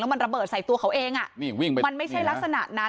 แล้วมันระเบิดใส่ตัวเขาเองมันไม่ใช่ลักษณะนั้น